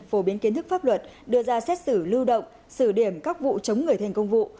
phổ biến kiến thức pháp luật đưa ra xét xử lưu động xử điểm các vụ chống người thành công vụ